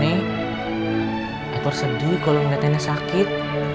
nenek sedih kalo liat nenek sakit